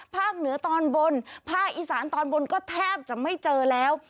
เหนือตอนบนภาคอีสานตอนบนก็แทบจะไม่เจอแล้ว